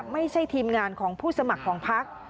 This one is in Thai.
ไม่ใช่ทีมงานของผู้สมัครของพัก